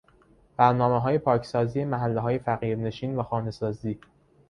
برنامههای پاکسازی محلههای فقیر نشین و خانه سازی